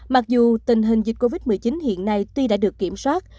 mặc dù tình hình dịch covid một mươi chín hiện nay tuy đã được kiểm soát